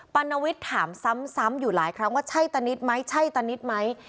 รณวิทย์ถามซ้ำอยู่หลายครั้งว่าใช่ตานิดไหมใช่ตานิดไหม